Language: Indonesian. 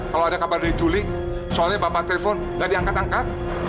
kalau ada kabar dari juli soalnya bapak telpon dan diangkat angkat